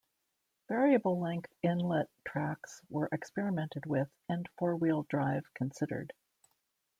Variable length inlet tracts were experimented with and four wheel drive considered.